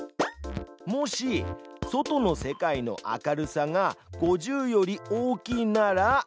「もし『外の世界の明るさ』が５０より大きいなら」